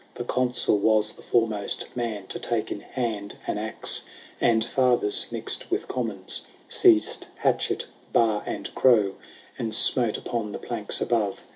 The Consul was the foremost man To take in hand an axe : And Fathers mixed with Commons Seized hatchet, bar, and crow, And smote upon the planks above.